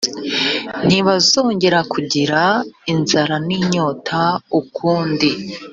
ntibazongera kugira inzara n inyota ukundi